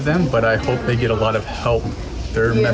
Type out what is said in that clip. ketika mereka pulang pada bulan oktober atau november